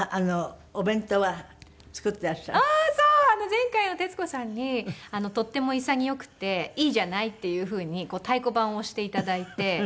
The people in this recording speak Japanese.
前回徹子さんにとっても潔くていいじゃないっていうふうに太鼓判を押して頂いて。